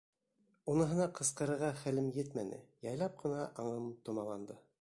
Уныһына ҡысҡырырға хәлем етмәне, яйлап ҡына аңым томаланды.